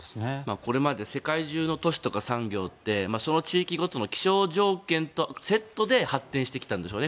これまで世界中の都市とか産業って、その地域の気象条件とセットで発展してきたんでしょうね。